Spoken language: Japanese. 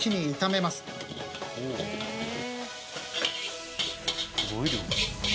すごい量。